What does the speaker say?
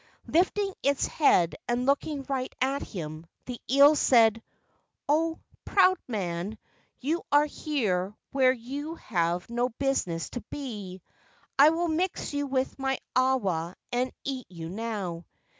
Lifting its head and looking right at him, the eel said: "O, proud man, you are here where you have no business to be. I will mix you with my awa and eat you now."